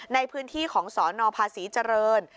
ในพื้นที่ของสนภาษีเจริญ